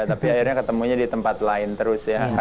tapi akhirnya ketemunya di tempat lain terus ya